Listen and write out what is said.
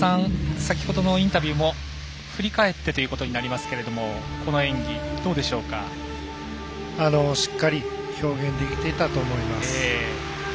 先ほどのインタビューを振り返ってということになりますけれどもこの演技しっかり表現できていたと思います。